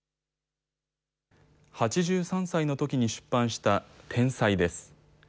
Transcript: ８３歳のときに出版した天才です。